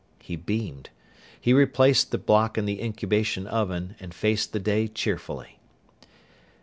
He beamed. He replaced the block in the incubation oven and faced the day cheerfully.